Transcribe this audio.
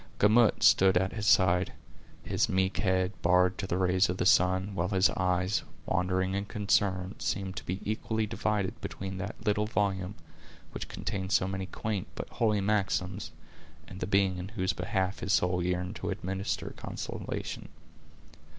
Gamut stood at his side, his meek head bared to the rays of the sun, while his eyes, wandering and concerned, seemed to be equally divided between that little volume, which contained so many quaint but holy maxims, and the being in whose behalf his soul yearned to administer consolation.